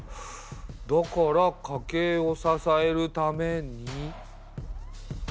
だから家計を支えるために。